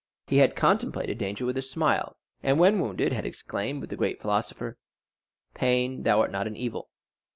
He had contemplated danger with a smile, and when wounded had exclaimed with the great philosopher, "Pain, thou art not an evil."